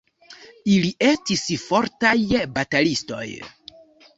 Ili estis fortaj batalistoj.